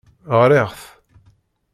Ɣriɣ-t.